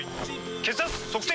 血圧測定！